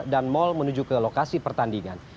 dan mall menuju ke lokasi pertandingan